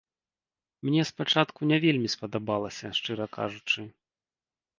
Мне спачатку не вельмі спадабалася, шчыра кажучы.